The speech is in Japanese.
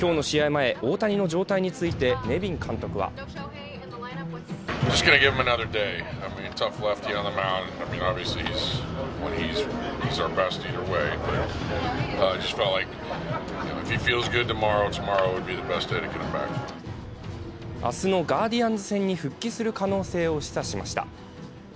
前大谷の状態についてネビン監督は明日のガーディアンズ戦に復帰する可能性を示唆しました。